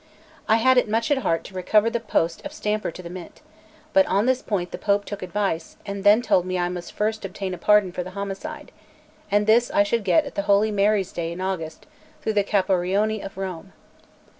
I had it much at heart to recover the post of stamper to the Mint; but on this point the Pope took advice, and then told me I must first obtain pardon for the homicide, and this I should get at the holy Maries' day in August through the Caporioni of Rome.